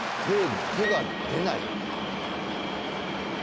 手が出ない。